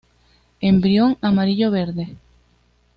Embrión amarillo-verde.